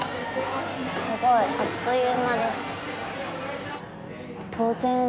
すごいあっという間です。